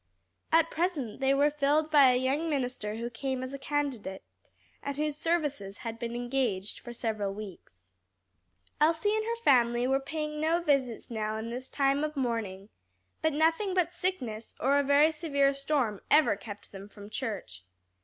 At present they were filled by a young minister who came as a candidate, and whose services had been engaged for several weeks. Elsie and her family were paying no visits now in this time of mourning, but nothing but sickness, or a very severe storm, ever kept them from church.